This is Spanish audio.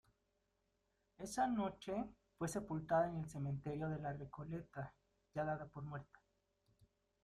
Esa noche, fue sepultada en el Cementerio de la Recoleta, ya dada por muerta.